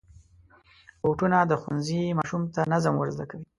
بوټونه د ښوونځي ماشوم ته نظم ور زده کوي.